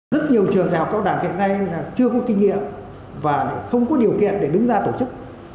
rất nhiều trường đại học cao đẳng hiện nay chưa có kinh nghiệm và không có điều kiện để đứng ra tổ chức